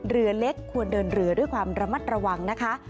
เรือเล็กควรเดินเรือด้วยความระมัดระวังนะคะ